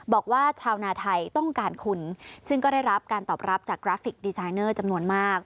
บอกว่าชาวนาไทยต้องการคุณซึ่งก็ได้รับการตอบรับจากกราฟิกดีไซเนอร์จำนวนมาก